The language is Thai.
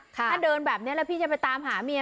ถ้าเดินแบบนี้แล้วพี่จะไปตามหาเมีย